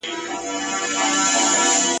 ځنګل د زمرو څخه خالي نه وي !.